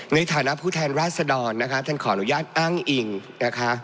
ในฐานะผู้แทนราชดรนะคะท่านขออนุญาตอ้างอิงนะคะ